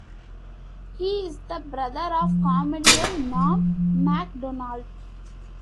He is the brother of comedian Norm Macdonald.